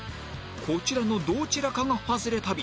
こちらのどちらかがハズレ旅